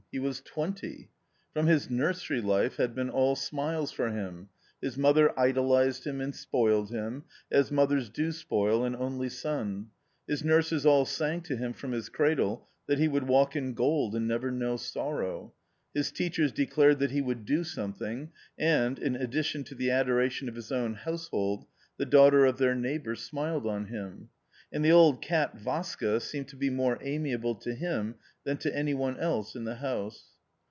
He was twent y^ From , his nursery life had been all smiles"Tor~1iim — hii mother iddltgeTTTiim and spoiled him^ as mothers do spoil an only son; his nurses all sang to him from his cradle that he would walk in gold and never know sorrow ; his teachers declared that he would do something, and, in addition to the adoration of his own household, the daughter of their neighbour smiled on him. And the old cat, Vaska, seemed to be more amiable to him than to any one else in the house.